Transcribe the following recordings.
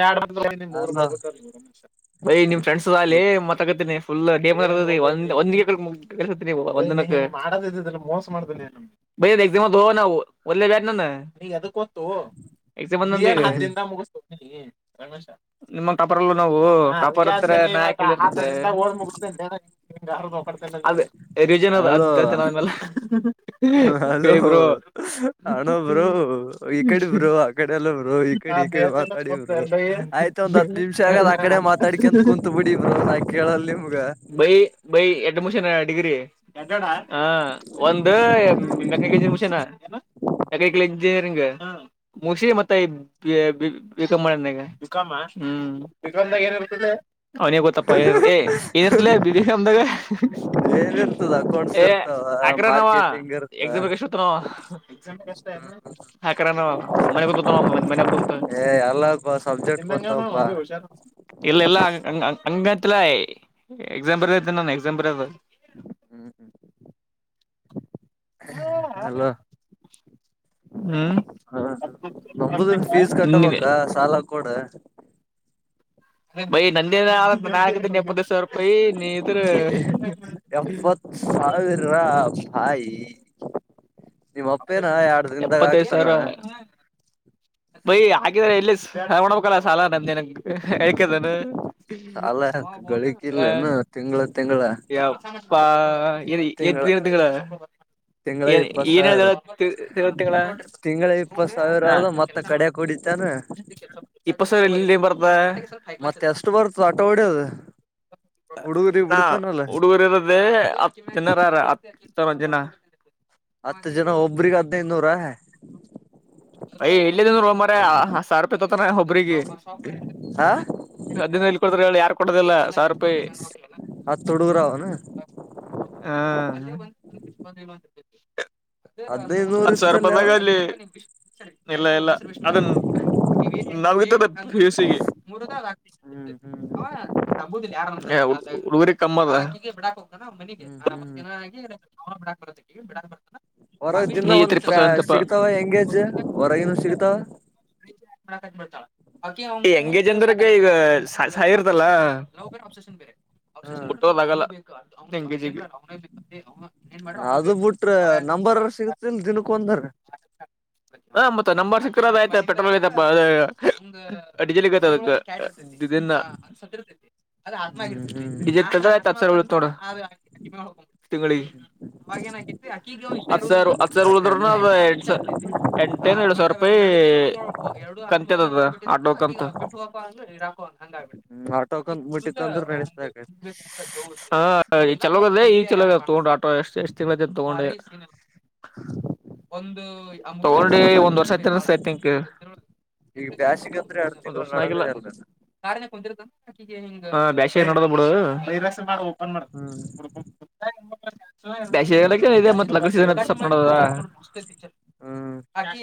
ಯ ಹಲೋ ನಿಮ ಪೈಂಡ್ಸ್ ಅಲಿ ಮತ್ತತ್ಗತೀನಿ ಫುಲ್ ಡೇಮಂದ್ಸಂದ ಮೋ ಮಾಡ [unintelligible] ಬೈ ಎಕ್ [unintelligible] ಮ ತೋ ನ ಒಲ್ಲೇ ಬ್ಯಾ ನ ಅದ [unintelligible] ನಿಮ್ಮ ಕಾಪಾರಲ್ಲ ನಾವು ಕಪರ್ -ಹ -ನ ಯಡ್ ಅದೇ. ರಿಜನ್ ಅದ ಹಲೋ ಅದ ನೆಲ್ಲ ಹಲೋ ಕಿಬರು [unintelligible] ಇಕಡೆ -ಬ್ರೋ -ಅಕಡೆ ಎಲ್ಲ ಬ್ರೋ ಹಾ ಇಡೆ ಬೇ ಇಕಡೆ ಮಾತಾಡ ಇವರು ಆಯ್ತ ಒಂದ್ ಹತ್ ನಿಮಿಷ ಆಗದ ಆ ಎಲ್ಲ ಕಡೆ ಮಾತಾಡ್ಿಕ ಅಂತ ಕುೂತ್ ಬಿಡಿ ಇರು ನಾ ಕೇಳಲ್ ನಿಮ್ಗ ಬೈ ಬೈ ಎಡ್ಮಿಶನ್ ಡಿಗ್ರಿ. ಹ ಒಂದು ಮೆಕನಿಕಲ್ ಇಂಜನ್ ಷನ ಮೆನಿಕಲ್ಂ [inaudible] ಮುಗಿಶ್ರೀ ಮತ್ತೆ. ಬಿಕಮ್ ಮಾಡಣ್ಣಯಾಗ ಬಿಕ ಹ್ಮ ಬಿಕಾಮದಾಗ ಏನಿರ್ತದೆ. ಅವನಿಗೆ ಗೊತ್ತಪ್ಪ ಏ ಏನಿರ್ತಲ ಬಿಬಮ್ದಾಗ. ಏನ್ ಇರ್ತದ ಅಕೌಂಟ್ಸ್ ಏ ಇರ್ತಾವ ಹಕ್ರ ನಾವ ಮಾರ್ಕೆಟಿಂಗ್ ಇರ್ತ ಎಕ್ಸಾಮ ಎಷ್ಟತ್ತು ನಾವ. ಹಾಕರ ನ ಮನೆಂತ ಮನೆ ಕುಂತ. ಏ ಎಲ್ಲಪ್ಪ ಸಬ್ಜೆಕ್ಟ್ ಗೊತ್ತಾವಪ್ಪಾ ಹುಷಾರ ಇಲ್ಲಲ್ಲ ಹಂಗ ಹಾಂಗಾ. ಇಲ ಎಕ್ಸಾಮಂಪರ್ ನ ಎಕ್ಸಾಮಪ ಹ್ಮ್ ಹ್ಮ್ [inaudible] ಹಲೋ ಹ್ಮ್ [inaudible] ಹ ನಂಬುದನ್ ಫೀಸ್ ಕಟ್ಟಬೇಕ. ಸಾಲ ಕೂಡೂ. ಬೈ ನಂದೆ. [unintelligible] ಎಪ್ಪತ್ ಸಾವಿರ ಬಾಯಿ. ನಿಮ್ಮ ಅಪ್ಪೇನ ಎರಡು ದಿನದಾಗ ಆಕ್ತಾನ. ಬಯ ಹಾಗಗಿದ್ರ ಎಲ್ಲಿ ನ್ಬೇಕಲ್ಲ ಸಾಲ ನಮ್ದೇನ ಹಕದನು. ಸಾಲ ಹ ಗಳಿಕಿಲ್ಲೇನು ತಿಂಗಳ ತಿಂಗಳ ಯಾವ. ಯಪ್ಪಾ ತಿಂಗಳ ಇದುಗಳ. [unintelligible] ತಿಂಗಳ ಇಪ್ಪ [unintelligible] ತಿಂಗ್ ತಿಂಗಳ. ಇಪ್ಪತ್ ಸಾವಿರ ಹ ಆದ ಮತ್ತ ಕಡ್ಯಾಕ್ ಹೊಡಿತಾನ ಇಪ್ಪ ಸರ್ ಎಲ್ಲಿ ಬರ್ತ. ಮತ್ತೆ ಎಷ್ಟು ಬರ್ತ ಆಟೋ ಹೊಡ್ಯೋದು. ಹ ಹುಡುಗರಿ ಇರೋದೇ ಹತ್ತು ಜನಾರಾರ ಹ. ತ್ತರ ದಿನ. ಹತ್ತು ಜನ ಒಬ್ರಿಗೆ ಹದ್ನೈನೂರ. ಅಯ ಎಲ್ಲಿದ್ದನ್ ಮರ ಸಾರಪತತನ ಒಬ್ರಿಗೆ. ಹಾ ಹದಿನ ಇಲ್ ಕೊಡ್ರ ಹೇಳಿ ಯಾರು ಕೊಡದಿಲ್ಲ ಸಾವಿರ ರೂಪಾಯಿ. ಅಷ್ಟು ಹುಡುಗರ ಅವೆನ. ಹಾ. ಹದ್ನೈದ್ ನೂರ್ ಅತ್ತು ಸಾವಿರ ಇತ್ತಲ್ಲ ರೂಪಾಯಿ ಅವ ಮೆಗಾ ಅಲ್ಲಿ. ಎಲ್ಲ ಎಲ್ಲ ಅದನ್. ಹ್ಮ್ ಹ್ಮ್ [unintelligible] ಹುಡುಗರಿ ಕಮ್ಮ ಬಿಡಾಕ್ ಹೋಗತದ ಮನ ಹ್ಮ್ ಹ್ಮ್ ಬಿಡಾಕ್ ಬ ಬಿಡಕ್ ಬರ್ತ. [unintelligible] ಹೊರ ದಿನ ಒಂದ್ ಸಿಗ್ತಾವ ಹೆಂಗೆ. ಹೊರಗನು ಸಿಕ್ತವ. ಎಂಗೇಜ್ ಅಂದ್ರ ಈಗ ಸಹಾಯ ಇರ್ತಲ್ಲಸನ್ ಬೇರೆ. ಹ್ಮ್ [unintelligible] ಎಂಗಜಿಗೆ. ಅದು ಬಿಟ್ರ ನಂಬರ್ ಸಿಗತಿಲ್ ದಿನಕ್ಕ ಒಂದ್ರ. ಹ ಮತ್ತ ನಂಬರ ಸಕ್ಕ್ರದ ಆಯ್ತ ಪೆಟ್ರೋಲ್ ತಪ್ಪ ಅ ಡೀಸೆಲ್ಗತೆ ಅದಕ್ಕೆ. ಆಯ. [inaudible] [inaudible] ಹ್ಮ್ ಹ್ಮ್ ತಿಂಗಳಿಗೆ ಹತ್ತು ಸಾವಿರ ಆಟೆನ ಉಳದ್ರ. ಎಂಟನ್ ಎರಡ ಸಾವಿರ ರೂಪಾಯಿ ಕಂತೆದದ ಆಡಕ್. [inaudible] ಆಗ್ಬಡ್ತೆ. ಹ್ಮ್ ಆಟೋಕ್ ಅಂತ ಮುಟ್ಟಿತ್ತ ಅಂದ್ರ ನಡೆಸ್ಬೇಕ ಹ ಚಲೋಗದೇ. ಈ ಚಲ ತೊಂಡು ಆಟೋ ಎಷ್ಟ ಎಷ್ಟ ತಗೊಂಡೆಂದು. ತಗೊಂಡಡಿ ಒಂದ ವರ್ಷ ಆಯತ. [inaudible] ಈಗ ಬ್ಯಾಸಿಗ ಅಂದ್ರೆ ಎರಡ್ ತಿಂಗಳು ನಡದೇ ಅಲ್ಲ ನ ಬಿಬುದು. [inaudible] ಬ್ಯಾಷಡ ಬಿ ಹ್ಮ್ [inaudible] ದ್ಯಾಶಲ್ಲ ಇದೆ ಮತ್ [inaudible] ಲಡ ಮಾಡದ ಆಕಿ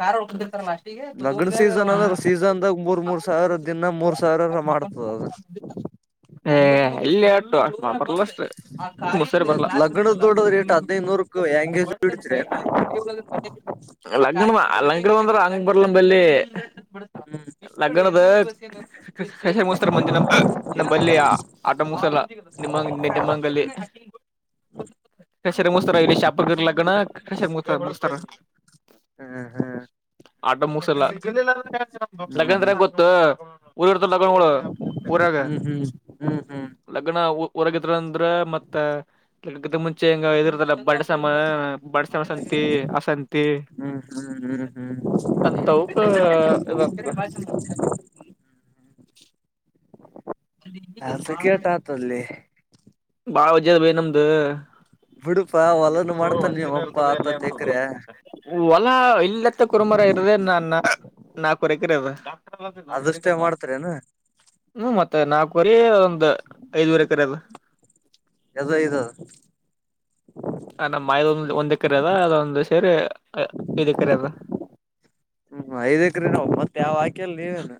ಕಾರ್ ಉಳ್ಕತಿರ್ತಾರಲ್ಲ ಅಷ್ಟಿಗೆ ಲಗ್ನ ಕುತ್ಕಂದಾಗ ಸೀಸನ್ ಅಂದ್ರ ಸೀಸನ್ದಾಗ ಮೂರ್ ಮೂರ್ ಸಾವಿರದ ದಿನ ಮೂರ ಸಾವಿರ ಮಾಡ್ತದ ಅದು ಹ್ಮ ಇಲ್ಲಿ ಬರ್ಲ ಸರಿ ಬ ಮತ್ ಲಗ್ನ ದುಡ್ಡ ರೇಟ್ ಹದ್ನೈದು ನೂರಕ್ ಎಂಗೇಜ್ ದುಡಿತ್ರಿ ಏನ. ಲಗ್ನ ಲಂಗಡಂದ್ರ ಅಂಗ ಬರ್ಲ ಬಲ್ಲಿ ಹ್ಮ್ ಲಗ್ನದ ಸಸ ಮುಸ್ತಾರ ಮಜಿ ನಮ ನಮ್ ಬಲ್ಲಿಯ ಆಟ ಸಲ ನಿಮ್ಮಂಗ ನಿಮ್ಮಂಗಲ್ಲಿ [inaudible] ಕಷರ್ಮಸ್ತ ರಲಿ ಶಾಪ ಗಲ್ಲಗಣ ಕಷರ್ಮಸ್ತ ಹ್ಮ್ ಹ್ಮ್ ಆಟ ಮೋಗ ಸಿಲ್ಲ ಹ್ಮ್ ಲಗ್ಂದ್ರಾಗ ಗೊತ್ತು ಊರಿ ಇರ್ತ ಲಗನ್ಗಳು ಊರಾಗ ಹ್ಮ್ ಹ್ಮ್ ಹ್ಮ್ ಲಗನ ಒ ಹೊರಗಿದ್ರ ಅಂದ್ರ ಮತ್ತ ಗ ಮುಂಚೆ ಹಂಗ ಇದಿರ್ತಲ್ಲ ಬಡ್ ಸಮಯ ಬ [unintelligible] ಹ್ಮ್ ಹ್ಮ್ ಹ್ಮ್ ಹ್ಮ್ ಹ್ಮ್ ಹ್ಮ ಅದು ಕೇಟ ಆತಲ್ಲಿ ಬಾಳ ವಜದ ಬೇನ ಅ್ದ ಹಡು ಇತಜ್ಜ ಇತದೆ ಎಕ್ರೆ ಹೊಲ ಇಲ್ಲತ್ತ ಕುರುಮರ ಇರದೆ ನ ನಾ ಕುರಕದ [inaudible] ಅದಷ್ಟೇ ಮಾಡ್ತಾರ ನು ಹ್ಮ ಮತ್ತೆ ನಾಲ್ಕುವರೆ ಒಂದು ಐದುವರೆ ಕರದು ಯದೋ ಇದು ಹ ನಮ್ಮ ಆಯಿ ಇದೊಂದು ಒಂದ್ ಎಕರೆ ಅದ ಅದೊಂದು ಸೇರಿ ಐದು ಎಕರೆ ಅದ ಹ್ಮ್ ಐದಕ್ರೀ ನಾವು ಮತ್ತೆ ಯಾವ ಆಕ್ಯಲ್ಲಿ ನೀವೇನು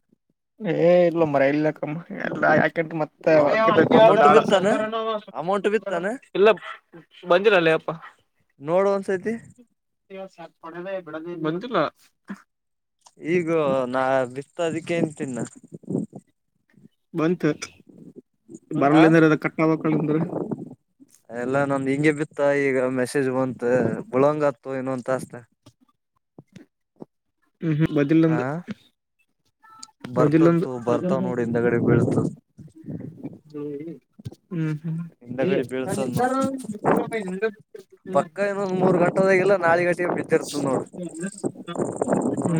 ಏ ಇಲ ಮರೈಕ್ಕ [inaudible] ಎಲ್ಲ ಯಾಕ ಮತ್ತೆ ಅಮೌಂಟ್ ಬಿತ್ತಾನ ಅಮೌಂಟ್ ಬಿತ್ತಾನ ಇಲ್ಲ ಬಂದಿರಲ್ಲೇ ಅಪ್ಪ ಕನ್ ಸತಿ [inaudible] ಸಾತ್ಪಡದೆ ಬೆಡದ ಬಂತಿಲ್ಲ ಈಗ ನಾ ಬಿತದಕ್ಕೆನ್ ತಿನ್ನ ಬಂತು ಆ ಬರ್ಲಂದ್ರೆ ಅದ ಕಟ್ಟಬಕ್ಕಳಂದ್ರೆ ಮತ್ತ ಈಗ ಮೆಸೇಜ್ ಬಂತ ಬಳಂಗತ್ತು ಏನು ಅಂತ ಅಸ್ತೆ ಹ್ಮ್ ಹ್ಮ್ ಬದಲ್ ಹ ನಂದು ಮೊದಲೊಂದು ಬರ್ತತ್ತು ಬರ್ತಾವ್ ನೋಡಿ ಹಿಂದಗಡೆ ಬೀಳ್ತದ ಹ್ಮ್ ಹ್ಮ ಎ ಹಿಂದಗಡೆ ಬೀಳ್ತದ್ ನೋಡ್ ಟ ಬಿದ್ದಿರ್ತ ನೋಡ್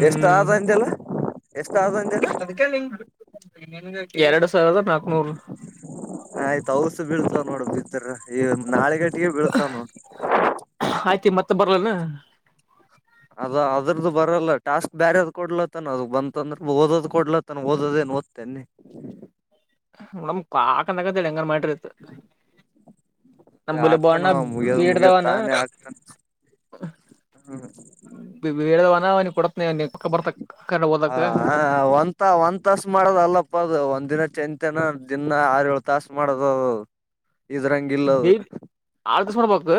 ಎಷ್ಟ ಆದ ಅಂದಲ್ಲ ಎಷ್ಟು ಆದ ಅಂತಲ್ಲ ಎರಡು ಆಯ್ತು ಅವ್ರಸ ಬೀಳ್ತವ ನೋಡ ಬರ ಈ ನಾಳೆಗಡೆ ಬೀಳ್ತಾವ ನೋಡ್ ಆಯ್ತಿ ಮತ್ತೆ ಬರ್ಲನ. [inaudible] ಅದ ಅದ್ರದು ಬರಲ್ಲ ಟಾಸ್ಕ್ ಬ್ಯಾರ ಅದ್ ಕೊಡ್ಲತನ ಅದ್ ಬಂತ ಅಂದ್ರೆ ಓದೋದ್ ಕೊಡ್ಲತನ ಓದ ಏನ್ ತನ್ನೆ ನಮ್ ಕಾಕಂದಗದಿ ಹೆಂಗಾರ ಮಾಡ್ರ ಇತ್ ನ ಅ ಬೋಲೆ ಆಗ್ತಾನ ಬಳ್ಣ ಮುಗಿಯದ್ ಬೀಡದವ ಮುಗಿಯದ್ ನ ತಾನೇ ಆಗ್ತಾನ ವೇೇಳದನಾವ ಕೂಡ ಹ ಹ ಒ ಒಂದ್ ತಾಸ ಮಾಡದ ಅಲ್ಲಪ್ಪ ಅದು ಒಂದ್ ದಿನ ಚೆಂದ ಮತ್ತೇನಾ ದಿನ ಆರ ಏಳು ತಾಸು ಮಾಡದು ಇದ್ರಂಗಿಲ್ಲದು ಡೈಲಿ ಆರ್ ದಿವಸ ಮಾಡ್ಬೇಕು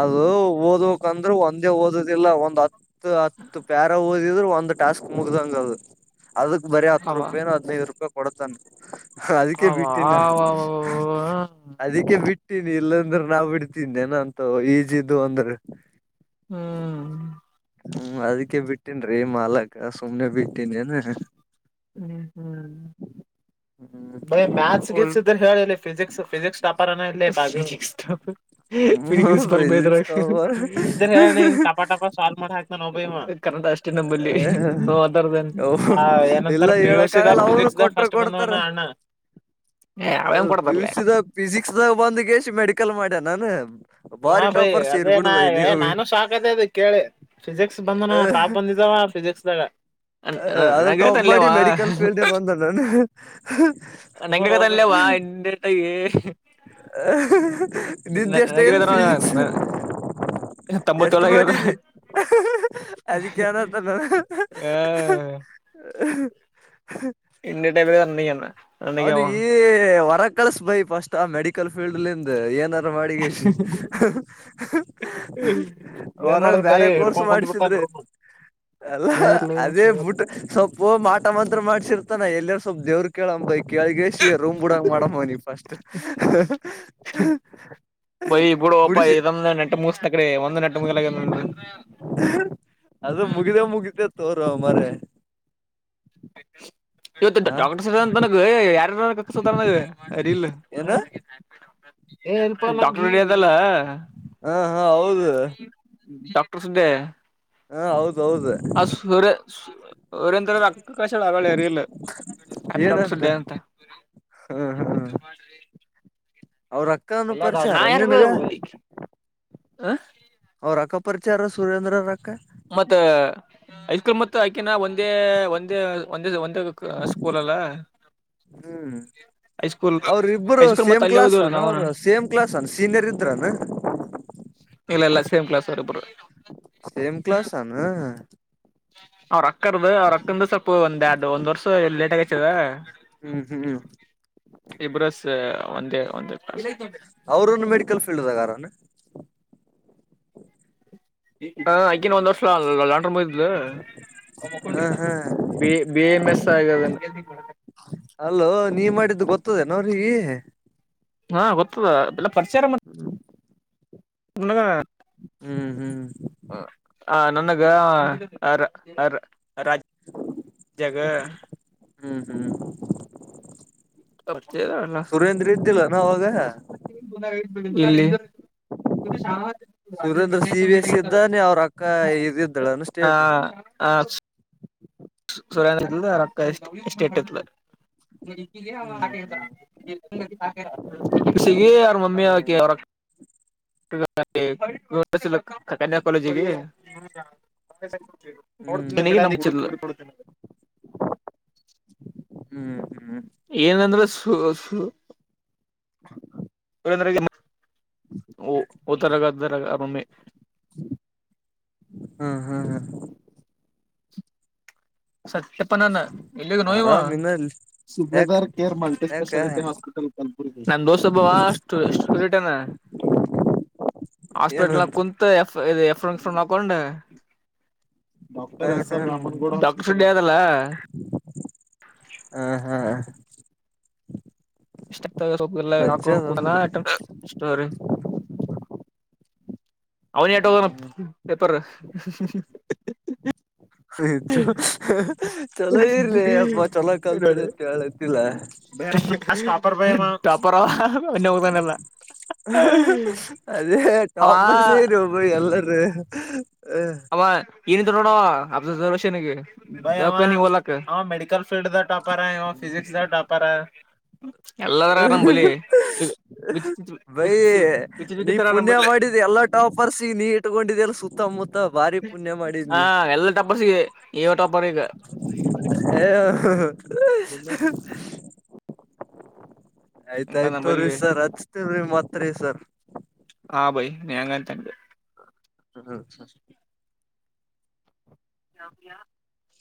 ಅದು ಓದ್ಬೇಕಕ್ಂದ್ರೆ ಒಂದೇ ಓದುದಿಲ್ಲ ಒಂದ್ ಹತ್ತು ಹತ್ತು ಪ್ಯಾರ ಓದ ರು ಒಂದ್ ಟಾಸ್ಕ್ ಮುಗ್ದಂಗ ಅದು ಅದಕ್ ಬರೀ ಹತ್ತು ಅವ ರೂಪಾಯ ಹದ್ನೈದು ರೂಪಾಯಿ ಕೊಡತಾನ ಅದಕ್ಕೆ ಅವ ಬಿಟ್ಟ ಅವ ಅದಕ್ಕೆ ಬಿಟ್ಟ ಬಿಟ್ಟೀಿನಿ ಇಲ್ಲಾಂದ್ರ ನಾ ಬಿಡ್ತೀನ್ ಏನಂತ ಈಜದುು ಅಂದ್ರ ಹ್ಮ್ ಹ್ಮ್ ಅದಕ್ಕೆ ಬಿಟ್ಟೇನ್ರಿ ಮಾಲಕ್ಕ ಸುಮ್ನೆ ಬಿ ಹ್ಮ್ ಹ್ಮ್ ಮ ಮ್ಯಾತ್ಸ್ ದ್ರೆ ಹೇಳಿ ಫಿಸಿಕ್ಸ್ ಫಿಸಿಕ್ಸ್ ಟಾಪರನ ಇಲ್ಲೇ ಬಾಜು ಫಿಸಿಕ್ಸ್ ಹ್ಮ್ ಬರಲ್ಲ ಬೈ ಫಿಸಿಕ್ಸ್ ತಗೊಬಾರ ಪಟಪ ಸಾವ್ ಮಾಡ್ ಹಾಕ್ತಬ ಮಾಡ ಕನ್ನದ ಅಷ್ಟೇ ನಮಲ್ಲಿೋದಾರ ಏನಂತಾರ ಪಿ ಯು ಸಿ ದ ಹೇಳಕ್ಕಗಲ್ಲ ಅವರು ಫಿಸಿಕ್ಸ್ ದ ಕೊಟ್ರ ಫಸ್ಟ್ ಬಂದವನ ಕೊಡ್ತಾರೆ ಅಣ್ಣ ಏ ಅವೇನ್ ಪ ಕೊಡ್ತಾರಲೇ ಯುಸಿದ ಫಿಸಿಕ್ಸ್ ಬಂದಗೆಸ ಮೆಡಿಕಲ್ ಮಾಡ್ಯ ನಾನ ಹ ಭೈ ಅದೇ ನೆ ನಾನು ಶಾಕ್ ಅದೇ ಅದು ಕೇಳಿ ಫಿಸಿಕ್ಸ್ ಬಂದನ ಟಾಪ್ ಬಂದಿದವ ಹಾ ಫಿಸಿಕ್ಸ್ ದಾಗ ಹ ಆದ್ರ ಟಾಪ್ ಮಾಡಿ ಮೆಡಿಕಲ್ ಫೀಲ್ಡ್ಗೆ ಬಂದ ನಾನ ನಿಂಗ ತಲ್ಲೇ ವಾ ಎ ಯ ನಿದ್ದೆ ಎಷ್ಟ ಫಿಸಿಕ್ಸ್ ನನಗೇಳ್ತಾನ ಎಷ್ಟು ತೊಂಬತ್ತೇಳಾಗ್ಯದ ಮಾಡಿ ಅದಕ್ಕೆ ನತ ನಾನ ್ ಆ ಎ ಟೈಪ್ ರನ್ನ ಅವ್ನಿಗೆ ಹೊರ ಕಳಸ ಬೈ ಫಸ್ಟ್ ಮೆಡಿಕ ಫೀಲ್ಡ್ ನಿಂದ ಏನಾರ ಮಾಡ ಏನ್ ಮಾಡದ ಬೈ ಬೇರೆ ಕೋರ್ಸ್ ಹಿಡ್ಕೊಂಡ್ ಕುಂತ್ ಬಿಟ್ಟಾನ ಮಾಡ್ಸಿದ್ರೆ ರೂಮ್ ಅಲ್ಲ ಏ ಇರ್ಲಿ ಅದೇ ಸುಳ್ಳ ಬಿುಟ್ಟ ಸ್ವಲ್ಪ ಮಾಟ ಮಾತ್ರ ಮಾಡ್ಸಿರ್ತಾನ ಎಲ್ಲರ ಸ್ವಲ್ಪ್ ದೇವ್ರ ಕೇಳಮ್ಮ ಬೈ ಕಳ್ಗಸಿ ರೂಮ್ಡಕ್ ಮಾಡಮ್ಮನಿ ಫಸ್ಟ್ ಬೈ ಬಿಡು ಅಪ್ಪ ಬಿಡಿಸಿ ಇದೊಂದ ನೆಟ್ಟ ಮುಗಿಸತ ಕಡೆ ಒಂದ್ ನೆಟ್ ಮುಗಲ ನ ಅದು ಮುಗಿದ ಮುಗಿತ ತೋರ ಮರ ಇವತ್ತು ಆ ಡಾಕ್ಟರ್ ಸ್ರಂತನಗ ಯಾರಾರ ಸುಧಾರಣ ಅರಿ ಇಲ್ಲಲ್ಲ ಏನ ಹಾ ಹಾ ಹೌದು ಡಾಕ್ಟರ್ ಸ್ದೆ ಹಾ ಹೌದು ಆ ಸರ ದರೆ ಅಕ್ಕ ಕಶಳ ಅರಲ್ಲ ಹ್ಯಾಪಿ ಏನಂತ ಕ್ಟಡ ಹ್ಮ್ ಹ್ಮ ಹ್ಮ್ ಅವ್ರ ಅಕ್ಕನು ಅ ನ ಪರಿಚಯಾರ ಯಾರ ನಿನಗ ಹ ಅವ ರ ಅಕ್ಕಪರಿಚಾರ ಸುರೇಂದ್ರ ರ ಮತ್ತ ಐಸ್ಕ್ರೂಲ್ ಮ ಆಐಕಿನ ಒಂದೇ ಒಂದೇ ಒಂದ ಇ ಸ್ಕೂಲಲ್ಲ ಹ್ಮ್ ಅವ್ರ ಇಬ್ರು ಹೈಸ್ಕೂಲ್ ಮತ್ತ ಸೇಮ್ ಅಲ್ಲೇ ಕ್ಲಾಸ್ ಓದಿವಲ್ಲ ಅನ ನಾವುನು ಅವರು ಸೇಮ್ ಕ್ಲಾಸ್ ಅನ ಸೀನಿಯರ್ ಇದ್ರಾನ ಇಲ್ಲ ಇಲ್ಲ ಸೇಮ್ ಕ್ಲಾಸ್ ಅವರಿಬ್ರು ಸೇಮ ಕ್ಲಸ್ ಆನು ಅವ್ ರೊಕ್ಕರ್ದ ಅವ್ರಕ್ತಿಂದ ಸ್ವಲ್ಪ ಒಂದ್ ಎರಡು ಒಂದ್ ವರ್ಷ ಎ ಲೇಟ್ ಆಗತದ ಹ್ಮ್ ಹ್ಮ್ ಇಬ್ರಸ್ ಒಂದೇ ಒಂದೆ ಅವ್ರೂನು ಮೆಡಿಕಲ್ ಫೀಲ್ಡ್ ದಾಗದಾರೇನು? ಅ ಆಕೀನು ಒಂದ್ ವರ್ಷ ಲ ಲಾಂಡ್ರನ್ ಮುಗ್ದಿದ ಹ ಹಾ ಬಿ ಬಿ ಎಂ ಎಸ್ ಆಗ್ಯದೇನ? ಅಲ್ಲೋ ನೀ ಮಾಡಿದ್ದು ಗೊತ್ತದೇನೋ ಅವ್ಳಿಗಿ? ಹಾಂ ಗೊತ್ತದ ಎಲ್ಲ ಪರಿಚಾರ ಮಾಡ್ [unintelligible] ಹ್ಮ್ ಹ್ಮ್ ಆ ನನಗ ಅರ ಅರ ಅರಾಜ್ ಜಗ ಹ್ಮ್ ಹ್ಮ್ ಸುರೇಂದ್ರ್ ಇದ್ದಿಲೇನು ಅವಾಗ? ಇಲ್ಲಿ [unintelligible] ಸುರೇಂದ್ರ್ ಸಿ ಬಿ ಎಸ್ ಇದ್ದಾನೆ ಅವ್ರ್ ಅಕ್ಕ ಇದ್ ಇದ್ದಾಳೇನು ಸ್ಟೇಟ್ [inaudible] ಸುರೇಂದ್ರ್ ಇಲ್ದ ಅವ್ರ್ ಅಕ್ಕ ಇಸ್ಟ್ ಸ್ಟೇಟ್ ಇದ್ಲ. ಹ್ಮ್ ಹ್ಮ್ ಬೇಸಿಗೆ ಅವ್ರ್ ಮಮ್ಮಿ ಆಕಿ ಅವ್ರಕ್ [unintelligible] ಹ್ಮ್ ಹ್ಮ್ [unintelligible] ಹ್ಮ್ ಹ್ಮ್ ಏನಂದ್ರೆ ಸು ಸು [inaudible] [unintelligible] ತರರೊಮ್ಮೆ ಹಾಂ ಹಾಂ ಹಾಂ [inaudible] ಸತ್ಯಪ್ಪ ನಾನ ಇಲ್ಲಿಗ ನೋಯ್ವ ಆರಾಮ್ ಇನ್ನ ಯಾಕ ಸುಬೇದಾರ್ ಕೇರ್ ಮಲ್ಟಿ ಯಾಕ ಸ್ಪೆಷಾಲಟಿ ಹಾಸ್ಪಿಟಲ್ [unintelligible] [inaudible] ಹಾಸ್ಪಿಟಲ್ ನಾಗ್ ಏನಂತ ಕುಂತು ಎಫ್ ಇದು ಎಫ್ ಎಂ ಹಾಕೊಂಡ ಹ ಡಾಕ್ಟರ್ ಎಸ್ ಹಾ ಆರ್ ರಾಮಣ್ ಗೌಡ ಡಾಕ್ ಸುಳ್ಯ ದಲ್ಲ? ಹ ಹಾ [unintelligible] ಇಷ್ಟ ಆಗ್ತ ಸೊ ಎಲ್ಲ ಹಾಕೊಂಡ್ ವಜ್ಜದ ಅಂದ್ರ ಕುತಾನ ಸ್ಟೋರಿ ಅವನ ಟೋದಾನ ಪೇಪರ ಆಯ್ತ ಚಲೋ ಇರ್ಲಿ ಅಮ್ಮ ಚಲೋ ಕಲ್ತರಿ ನೋಡಿ ಅಂತ ಹೇಳತಿಲ್ಲ. [unintelligible] ಅದೇ ಅವ ಟಾಪರ್ ಸೇರಿ ಒಬ್ಬ ಎಲ್ಲರೂ ಅವ ಇಂದು ನೋಡವ [unintelligible] ಫೀಲ್ಡ್ ದ ಟಾಪರ ಇವ ಫಿಸಿಕ್ಸ್ ನಾಗ್ ಟಾಪರ? ಎಲ್ಲದರಾಗ ನಂಬಲ್ಲಿ ವಿಚ ವಿಚಿತ್ರ ಬೈ ವಿಚಿತ್ರ ನೀ ವಿಚಿತ್ರ ಪುಣ್ಯ ನಂಬಲ್ಲಿ ಮಾಡಿದ್ ಎಲ್ಲ ಟಾಪರ್ಸಿಗ್ ನೀಟ್ಗೊಂಡಿದ್ಯಲ್ಲ ಸು ಹಾಂ ಎಲ್ಲ ಟಾಪರ್ಸಿಗೆ ಇವ ಟಾಪರ್ ಈಗ. [unintelligible] ಹಂಗ ಆಯ್ತಾಯ್ತು ರೀ ನಂಬಲ್ಲಿ ಸರ್ ಹಚ್ತೀವ್ರಿ ಮತ್ರಿ ಸರ್. ಇನ್ನೇನಂತೆ [unintelligible] [unintelligible] [unintelligible]